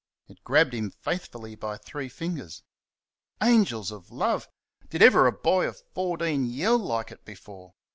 It grabbed him faithfully by three fingers. Angels of Love! did ever a boy of fourteen yell like it before!